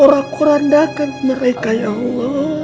orak orandakan mereka ya allah